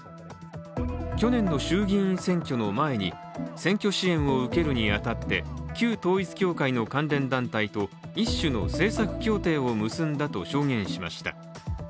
去年の衆議院選挙の前に、選挙支援を受けるに当たって旧統一教会の関連団体と一種の政策協定を結んだと証言しました。